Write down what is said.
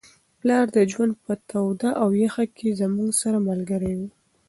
پلار د ژوند په توده او یخه کي زموږ سره ملګری وي.